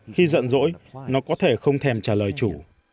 khi giận dỗi nó có thể không thèm trả lời chủ